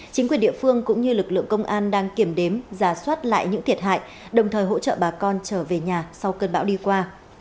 chính quyền địa phương cũng như lực lượng công an đang kiểm đếm giả soát lại những thiệt hại đồng thời hỗ trợ bà con trở về nhà sau cơn bão đi qua